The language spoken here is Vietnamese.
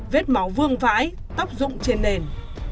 vết máu vương vãi tóc rụng trên nền